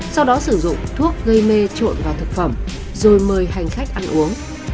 sau đó sử dụng thuốc gây mê trộn vào thực phẩm rồi mời hành khách ăn uống